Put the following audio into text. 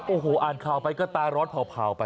โอ้โหอ่านข่าวไปก็ตาร้อนเผ่าไป